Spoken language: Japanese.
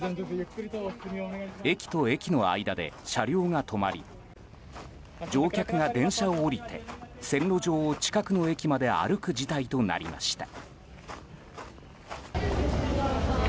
駅と駅の間で車両が止まり乗客が電車を降りて線路上を近くの駅まで歩く事態となりました。